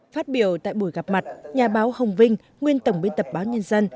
phát biểu tại buổi gặp mặt nhà báo hồng vinh nguyên tổng biên tập báo nhân dân